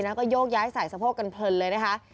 แล้วก็โยกย้ายใส่สะโพกกันเพลินเลยนะคะ